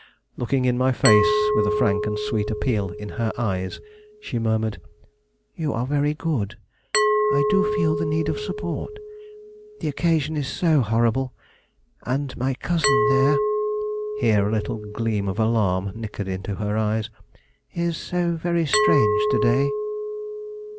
Looking in my face, with a frank and sweet appeal in her eyes, she murmured: "You are very good. I do feel the need of support; the occasion is so horrible, and my cousin there," here a little gleam of alarm nickered into her eyes "is so very strange to day."